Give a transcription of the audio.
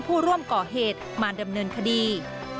ผู้ร่วมก่อเหตุมาดำเนินคดี